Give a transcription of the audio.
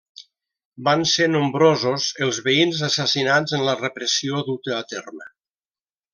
Van ser nombrosos els veïns assassinats en la repressió duta a terme.